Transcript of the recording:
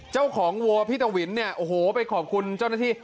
วัวพี่ทวินเนี่ยโอ้โหไปขอบคุณเจ้าหน้าที่